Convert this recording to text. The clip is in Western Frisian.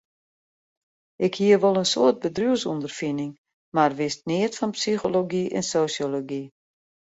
Ik hie wol in soad bedriuwsûnderfining, mar wist neat fan psychology en sosjology.